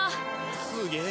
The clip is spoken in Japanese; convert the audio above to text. すげえ！